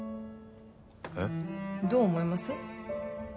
えっ？どう思います？